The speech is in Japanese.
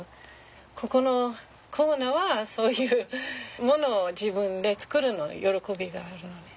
ここのコーナーはそういうものを自分で作るの喜びがあるのね。